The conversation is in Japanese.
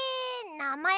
なまえ？